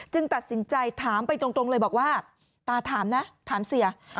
ตัดสินใจถามไปตรงเลยบอกว่าตาถามนะถามเสีย